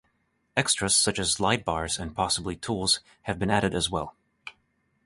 Extras such as lightbars and possibly tools have been added as well.